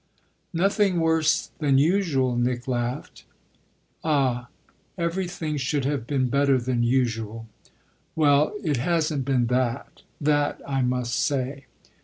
"Nothing worse than usual," Nick laughed. "Ah everything should have been better than usual." "Well, it hasn't been that that I must say."